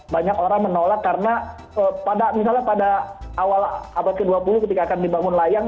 banyak orang menolak karena misalnya pada awal abad ke dua puluh ketika akan dibangun layang